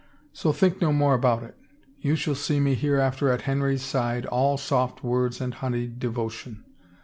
So think no more about it You shall see me hereafter at Henry's side all soft words and honeyed devotion.